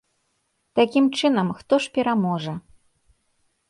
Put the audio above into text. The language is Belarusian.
Такім чынам, хто ж пераможа?